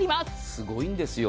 すごいんですよ。